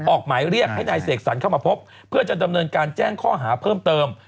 ออกหมายเรียกให้นายเสกสรรเข้ามาพบเพื่อจะดำเนินการแจ้งข้อหาเพิ่มเติม